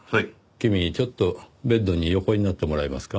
君ちょっとベッドに横になってもらえますか？